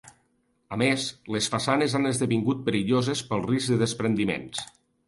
A més, les façanes han esdevingut perilloses pel risc de despreniments.